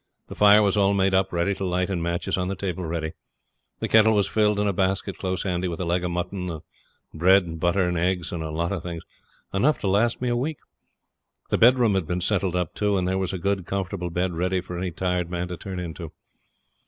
The fire was all made up ready to light, and matches on the table ready. The kettle was filled, and a basket close handy with a leg of mutton, and bread, butter, eggs, and a lot of things enough to last me a week. The bedroom had been settled up too, and there was a good, comfortable bed ready for any tired man to turn into.